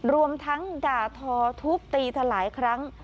รวมทั้งด่าทอทุบตีเธอหลายครั้ง